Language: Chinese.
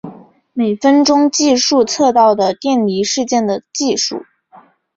每分钟计数测到的电离事件的计数。